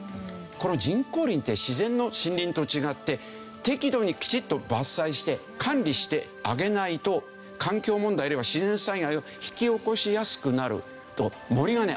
この人工林って自然の森林と違って適度にきちっと伐採して管理してあげないと環境問題あるいは自然災害を引き起こしやすくなると。